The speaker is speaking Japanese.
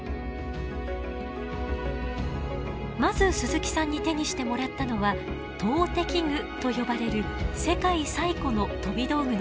まず鈴木さんに手にしてもらったのは投擲具と呼ばれる世界最古の飛び道具の一つです。